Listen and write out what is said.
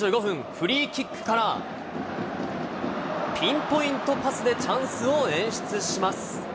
フリーキックから、ピンポイントパスでチャンスを演出します。